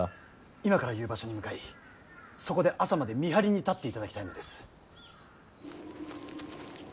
今から言う場所に向かいそこで朝まで見張りに立っていただきたいのです。